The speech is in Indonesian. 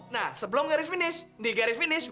nah sebelum garis finish di garis finish